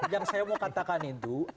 yang saya mau katakan itu